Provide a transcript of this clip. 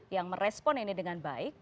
yang merespon ini dengan baik